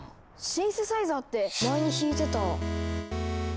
シンセサイザーって前に弾いてた。